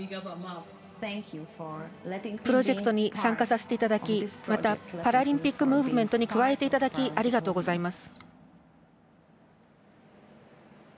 プロジェクトに参加させていただきまたパラリンピックムーブメントに加えていただきありがとうございます。